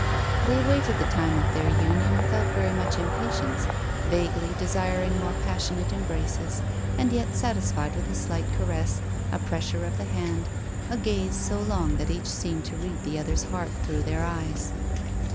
They awaited the time of their union without very much impatience, vaguely desiring more passionate embraces, and yet satisfied with a slight caress, a pressure of the hand, a gaze so long that each seemed to read the other's heart through their eyes.